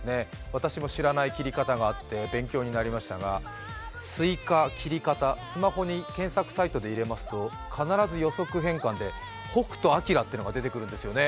私も知らない切り方があって勉強になりましたがスイカ、切り方、スマホに検索サイトで入れますと必ず予測変換で北斗晶というのが出てくるんですよね。